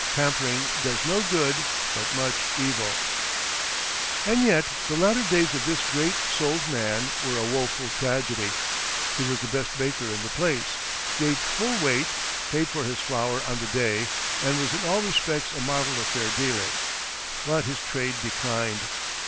Pampering does no good, but much evil." And yet the latter days of this great souled man were a woeful tragedy. He was the best baker in the place, gave full weight, paid for his flour on the day, and was in all respects a model of fair dealing. But his trade declined.